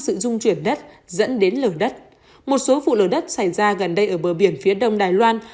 sự dung chuyển đất dẫn đến lở đất một số vụ lở đất xảy ra gần đây ở bờ biển phía đông đài loan